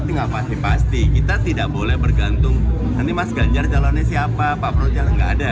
tapi gak pasti pasti kita tidak boleh bergantung nanti mas ganjar calonnya siapa pak procal nggak ada